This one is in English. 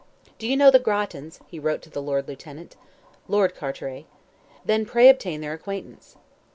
"Do you know the Grattans?" he wrote to the Lord Lieutenant, Lord Carteret; "then pray obtain their acquaintance.